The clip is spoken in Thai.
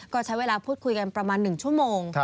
ก็ใช้เวลาพูดคุยกันประมาณ๑ชั่วโมง